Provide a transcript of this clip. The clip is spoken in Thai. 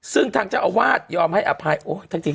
ซึ่งทางเจ้าอาวาสยอมแค้งอภัยจริง